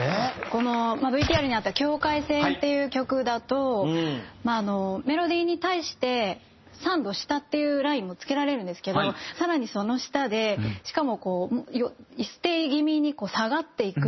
このＶＴＲにあった『境界線』っていう曲だとあのメロディーに対して３度下っていうラインもつけられるんですけど更にその下でしかもこうステイ気味に下がっていく